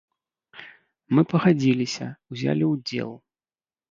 Мы пагадзіліся, узялі ўдзел.